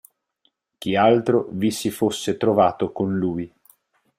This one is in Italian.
Chi altro vi si fosse trovato con lui.